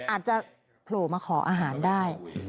อาจจะโผล่มาขออาหารได้